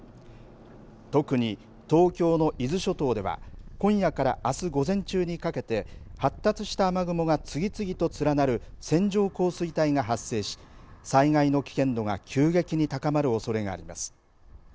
特に、東京の伊豆諸島では今夜からあす午前中にかけて発達した雨雲が次々と連なる線状降水帯が発生し災害の危険度が急激に高まるおそれがあります。